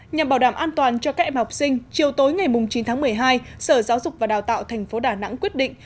nhằm bảo đảm an toàn cho các em học sinh chiều tối ngày chín tháng một mươi hai sở giáo dục và đào tạo tp đà nẵng quyết định